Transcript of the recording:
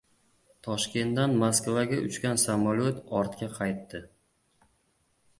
Toshkentdan Moskvaga uchgan samolyot ortga qaytdi